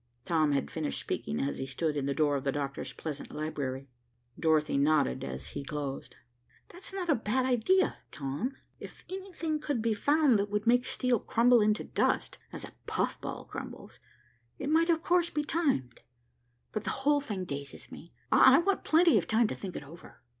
Tom had finished speaking as he stood in the door of the doctor's pleasant library. Dorothy nodded as he closed. "That's not a bad idea, Tom. If anything could be found that would make steel crumble into dust, as a puff ball crumbles, it might of course be timed. But the whole thing dazes me. I want plenty of time to think it over."